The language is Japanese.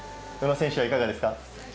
宇野選手はいかがですか？